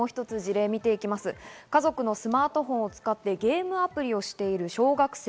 家族のスマートフォンを使ってゲームアプリをしている小学生。